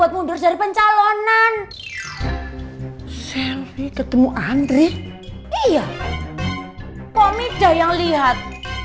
udah mundur dari pencalonan selfie ketemu andri iya komida yang lihat